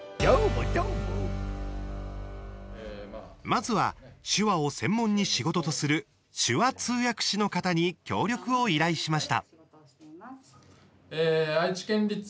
まずは、手話を専門に仕事とする手話通訳士の方に協力を依頼しました。